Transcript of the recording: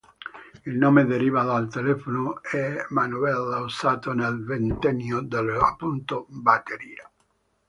Il nome deriva dal telefono a manovella usato nel ventennio, detto appunto "batteria".